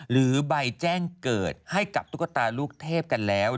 หรือใบแจ้งเกิดให้กับตุ๊กตาลูกเทพกันแล้ว